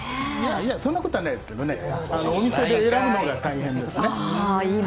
そんなことないんですけど、お店で選ぶのが大変です。